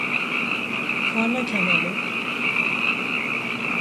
Ka ne kene lê